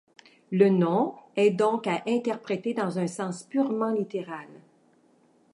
Le nom est donc à interpréter dans un sens purement littéral.